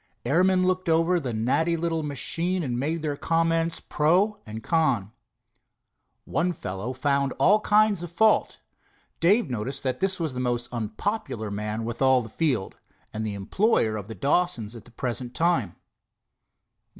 Airmen looked over the natty little machine and made their comments, pro and con. One fellow found all kinds of fault. Dave noticed that this was the most unpopular man with all the field, and the employer of the Dawsons at the present time.